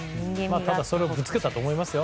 それをよくぶつけたと思います。